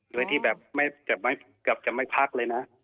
โดยที่แบบเกือบจะไม่พักเลยนะ